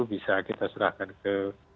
bisa kita serahkan ke